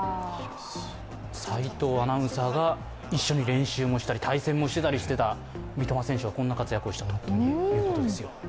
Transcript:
齋藤アナウンサーが一緒に練習もしたり対戦もしていたりしていた三笘選手がこんな活躍をしたということですよ。